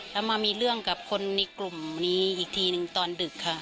แล้วมามีเรื่องกับคนในกลุ่มนี้อีกทีหนึ่งตอนดึกค่ะ